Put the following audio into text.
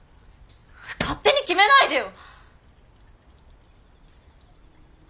勝手に決めないでよ！